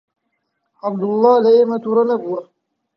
عەبدوڵڵا لە ئێمە تووڕە نەبوو.